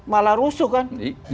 malah rusuh kan